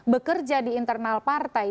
bekerja di internal partai